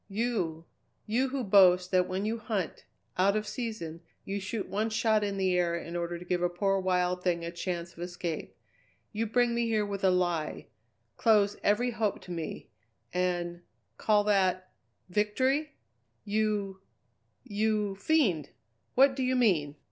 "You you who boast that when you hunt, out of season, you shoot one shot in the air in order to give a poor wild thing a chance of escape you bring me here with a lie; close every hope to me, and call that victory! You you fiend! What do you mean?"